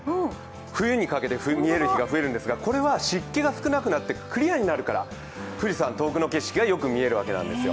冬にかけて見える日が増えるんですが、これは湿気が少なくなってクリアになるから富士山、遠くの景色がよく見えるわけなんです。